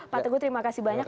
pak teguh terima kasih banyak